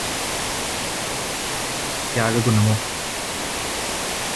తగిన రక్షణమ్ము త్యాగ గుణము